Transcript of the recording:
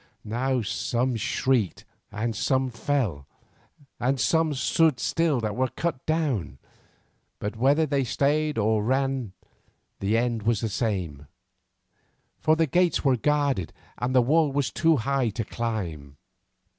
Now some shrieked and fled, and some stood still till they were cut down, but whether they stayed or ran the end was the same, for the gates were guarded and the wall was too high to climb.